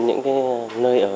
những nơi ở